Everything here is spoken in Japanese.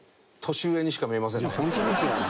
本当ですよね。